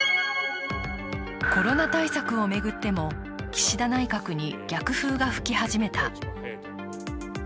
コロナ対策を巡っても岸田内閣に逆風が吹き始めた。